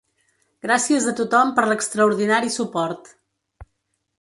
Gràcies a tothom per l'extraordinari suport.